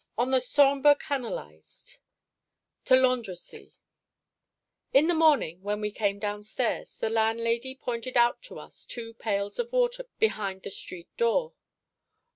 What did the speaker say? ON THE SAMBRE CANALISED: TO LANDRECIES IN the morning, when we came downstairs, the landlady pointed out to us two pails of water behind the street door.